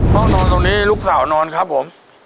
ห้องนอนตรงนี้ลูกสาวนอนครับผม